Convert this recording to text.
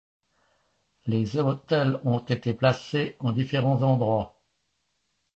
Des autels ont été placés en différents endroits.